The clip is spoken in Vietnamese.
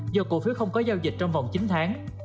do cổ phiếu không có giao dịch trong vòng chín tháng